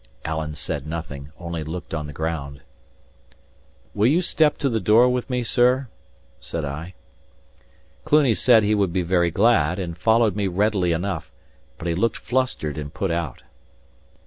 Alan said nothing, only looked on the ground. "Will you step to the door with me, sir?" said I. Cluny said he would be very glad, and followed me readily enough, but he looked flustered and put out.